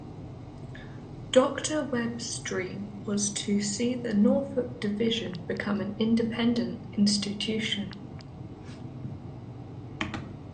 Doctor Webb's dream was to see the Norfolk Division become an independent institution.